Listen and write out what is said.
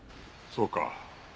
そうか。